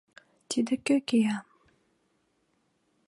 Тиде кӧ кия?